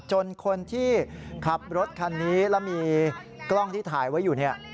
คนที่ขับรถคันนี้แล้วมีกล้องที่ถ่ายไว้อยู่เนี่ย